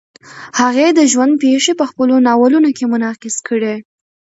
هغې د ژوند پېښې په خپلو ناولونو کې منعکس کړې.